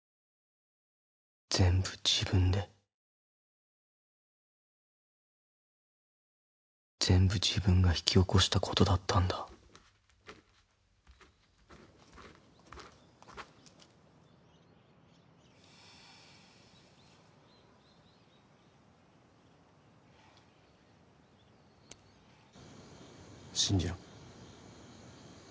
全部自分で全部自分が引き起こしたことだったんだ信じろ。